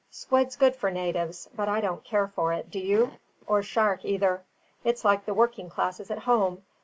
Squid's good for natives, but I don't care for it, do you? or shark either. It's like the working classes at home.